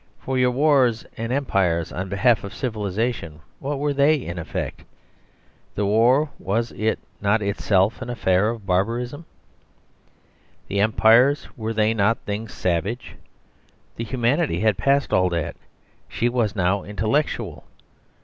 For your wars and empires on behalf of civilisation, what were they in effect? The war, was it not itself an affair of the barbarism? The Empires were they not things savage? The Humanity had passed all that; she was now intellectual.